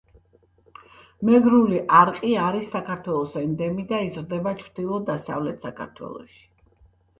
მეგრული არყი არის საქართველოს ენდემი და იზრდება ჩრდილო-დასავლეთ საქართველოში.